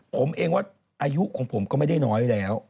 ผมเองว่าอายุของผมก็ไม่ได้น้อยแล้ว